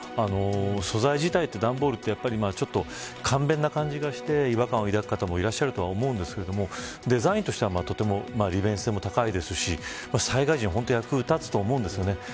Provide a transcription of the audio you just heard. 素材自体って、段ボールってちょっと簡便な感じがして違和感を抱く方もいらっしゃるとは思うんですがデザインとしてはとても利便性も高いですし災害時に役に立つと思うんですよね。